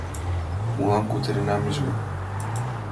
Молан кутыренамже?